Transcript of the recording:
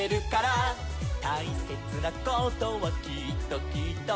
「たいせつなことはきっときっと」